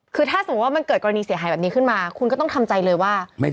คือถ้าสมมุติว่ามันเกิดกรณีเสียหายแบบนี้ขึ้นมาคุณก็ต้องทำใจเลยว่า